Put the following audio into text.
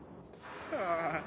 ああ！